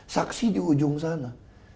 saksi di ujung sana